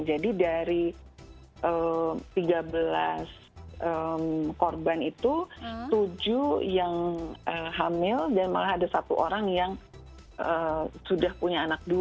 jadi dari tiga belas korban itu tujuh yang hamil dan malah ada satu orang yang sudah punya anak dua